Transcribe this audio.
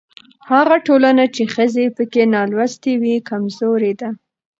هغه ټولنه چې ښځې پکې نالوستې وي کمزورې ده.